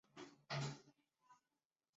骆驼街道得名于慈东后江上的骆驼桥。